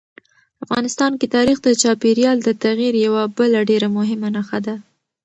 افغانستان کې تاریخ د چاپېریال د تغیر یوه بله ډېره مهمه نښه ده.